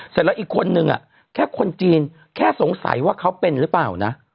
เสร็จแล้วอีกคนนึงแค่คนจีนแค่สงสัยว่าเขาเป็นหรือเปล่านะ